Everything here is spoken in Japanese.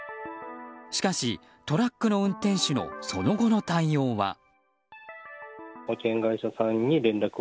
しかし、トラックの運転手のその後の対応は。